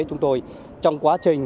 chúng tôi trong quá trình